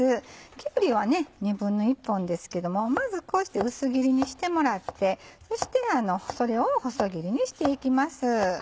きゅうりは１／２本ですけどもまずこうして薄切りにしてもらってそしてそれを細切りにしていきます。